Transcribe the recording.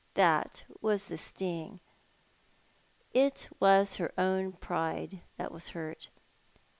That was the sting ! It was her own pride that was hurt.